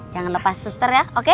jangan lepas suster ya oke